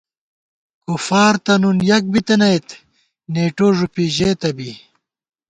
کُفار تہ نُن یَک بِتَنَئیت، نېٹو ݫُپی ژېتہ بی